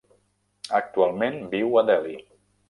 Actualment viu a Delhi.